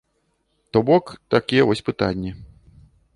То бок, такія вось пытанні.